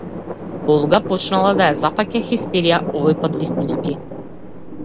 Олга почнала да ја зафаќа хистерија, овојпат вистински.